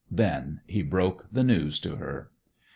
Then he broke the news to her.